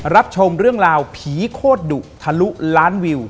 รับชมเรื่องราวผีโคตรดุทะลุล้านวิว